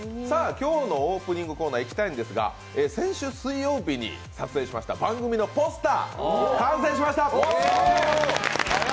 今日のオープニングコーナー、いきたいんですが先週水曜日に撮影しました番組のポスターが完成しました。